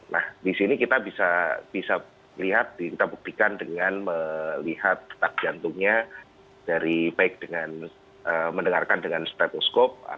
nah disini kita bisa lihat kita buktikan dengan melihat tetap jantungnya dari baik dengan mendengarkan dengan stethoskop